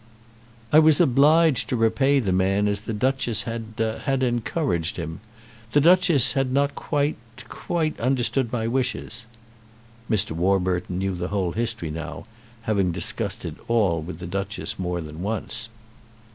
"I was obliged to repay the man as the Duchess had had encouraged him. The Duchess had not quite quite understood my wishes." Mr. Warburton knew the whole history now, having discussed it all with the Duchess more than once.